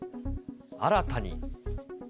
新たに。